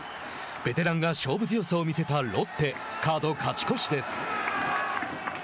ベテランが勝負強さを見せたロッテカード勝ち越しです。